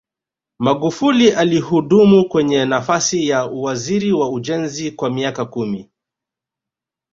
magufuli alihudumu kwenye nafasi ya uwaziri wa ujenzi kwa miaka kumi